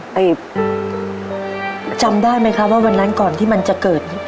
จำได้ไหมครับว่าวันนั้นก่อนที่มันจะเกิด